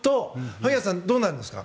萩谷さん、どうなりますか。